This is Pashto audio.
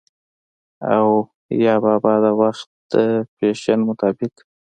او يا بابا د وخت د فېشن مطابق